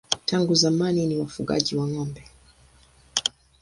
Tangu zamani ni wafugaji wa ng'ombe.